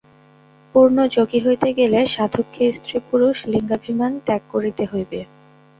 পূর্ণ যোগী হইতে গেলে সাধককে স্ত্রী-পুরুষ-লিঙ্গাভিমান ত্যাগ করিতে হইবে।